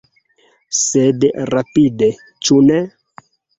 Sed rapide, ĉu ne?